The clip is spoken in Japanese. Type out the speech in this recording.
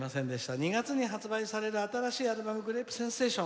「２月に発売される新しい「グレープセンセーション」。